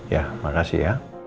ya makasih ya